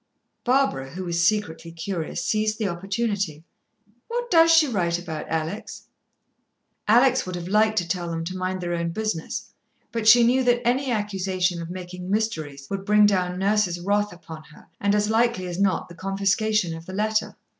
Barbara, who was secretly curious, seized the opportunity. "What does she write about, Alex?" Alex would have liked to tell them to mind their own business, but she knew that any accusation of making mysteries would bring down Nurse's wrath upon her, and as likely as not the confiscation of the letter.